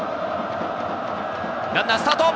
ランナースタート！